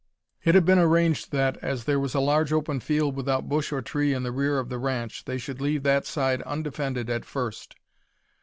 It had been arranged that, as there was a large open field without bush or tree in the rear of the ranch, they should leave that side undefended at first.